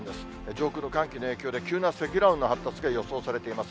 上空の寒気の影響で急な積乱雲の発達が予想されています。